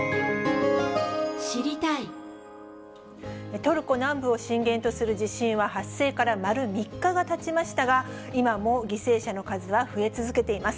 トルコ南部を震源とする地震は発生から丸３日がたちましたが、今も犠牲者の数は増え続けています。